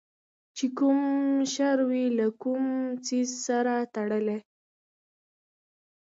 چې کوم شر وي له کوم څیز سره تړلی